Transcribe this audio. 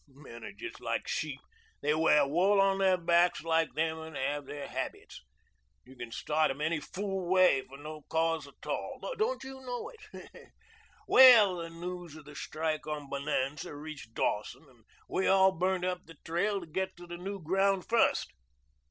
Men are just like sheep. They wear wool on their backs like them and have their habits. You can start 'em any fool way for no cause a tall. Don't you know it? Well, the news of the strike on Bonanza reached Dawson and we all burnt up the trail to get to the new ground first.